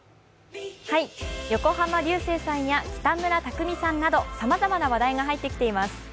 横浜流星さんや北村匠海さんなどさまざまな話題が入ってきています。